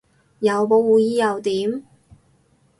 有保護衣又點